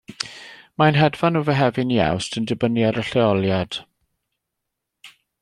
Mae'n hedfan o Fehefin i Awst, yn dibynnu ar y lleoliad.